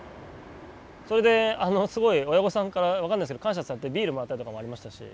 それですごい親御さんから分かんないですけど感謝されてビールもらったりとかもありましたし。